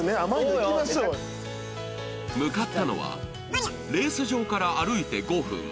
向かったのはレース場から歩いて５分。